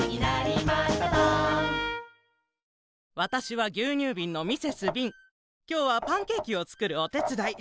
わたしはぎゅうにゅうびんのきょうはパンケーキをつくるおてつだい。